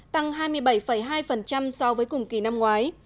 tăng hai mươi bảy hai so với cùng kỳ năm ngoái